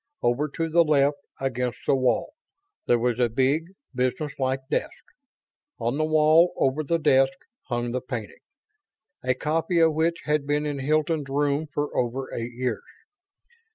Over to the left, against the wall, there was a big, business like desk. On the wall, over the desk, hung the painting; a copy of which had been in Hilton's room for over eight years.